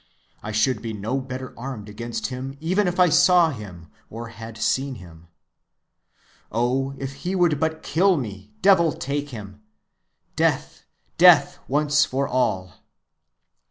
I should be no better armed against him even if I saw him, or had seen him. Oh, if he would but kill me, devil take him! Death, death, once for all!